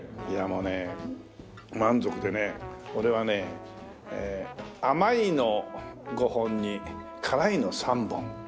いやもうね満足でね俺はね甘いの５本に辛いの３本。